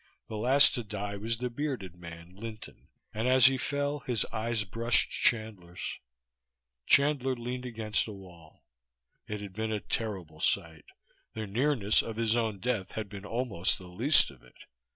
The last to die was the bearded man, Linton, and as he fell his eyes brushed Chandler's. Chandler leaned against a wall. It had been a terrible sight. The nearness of his own death had been almost the least of it.